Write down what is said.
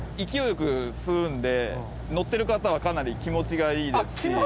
勢いよく吸うので乗ってる方はかなり気持ちがいいですし。